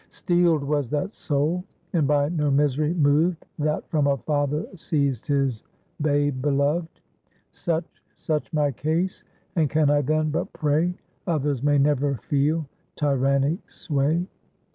Steel'd was that soul and by no misery mov'd That from a father seiz'd his babe belov'd; Such, such my case. And can I then but pray Others may never feel tyrannic sway?"